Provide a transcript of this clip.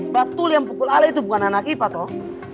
batul yang pukul ale itu bukan anak ipa toh